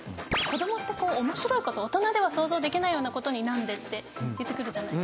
子供って面白いこと大人では想像できないようなことに「何で？」って言ってくるじゃないですか。